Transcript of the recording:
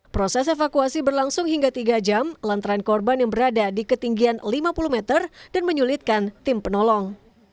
proses evakuasi berlangsung hingga tiga jam lantaran korban yang berada di ketinggian lima puluh meter dan menyulitkan tim penolong